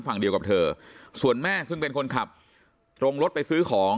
ฝั่งเดียวกับเธอส่วนแม่ซึ่งเป็นคนขับตรงรถไปซื้อของ